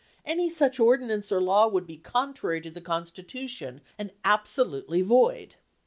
Any such ordinance or law would be contrary to the constitution and ab solutely void.